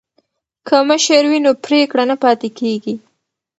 که مشر وي نو پریکړه نه پاتې کیږي.